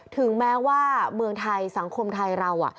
ถึงแม้ว่าเมืองไทยสังคมไทยเรา